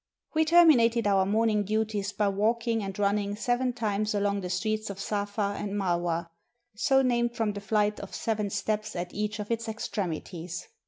We terminated our morning duties by walking and running seven times along the streets of Safa and Marwa, so named from the flight of seven steps at each of its extremities.